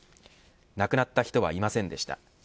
亡くなった人はいませんでした。